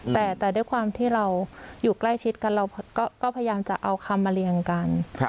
แต่ด้วยความที่เราอยู่ใกล้ชิดกันเราก็พยายามจะเอาคำมาเรียงกัน